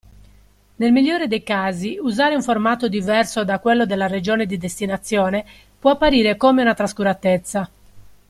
Nel migliore dei casi, usare un formato diverso da quello della regione di destinazione può apparire come una trascuratezza.